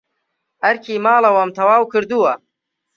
ئەرکی ماڵەوەم تەواو کردووە.